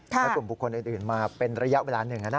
และกลุ่มบุคคลอื่นมาเป็นระยะเวลาหนึ่ง